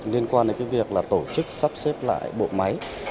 liên quan đến việc tổ chức sắp xếp lại bộ máy